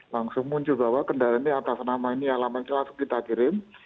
langsung muncul bahwa kendaraan ini atas nama ini alamatnya langsung kita kirim